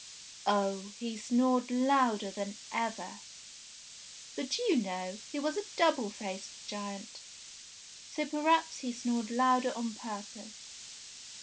Oh ! he snored louder than ever ! But you know, he was a double faced giant ; so perhaps he snored louder on purpose.